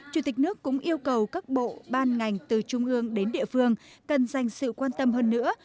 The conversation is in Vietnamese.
chủ tịch nước cũng yêu cầu các bộ ban ngành từ trung ương đến địa phương cần dành sự quan tâm hơn nữa